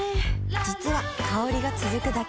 実は香りが続くだけじゃない